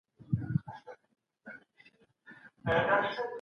اوسني دولتونه په اقتصاد کي مهم رول لري.